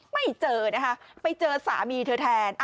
ไม่เจอนะคะไปเจอสามีเธอแทน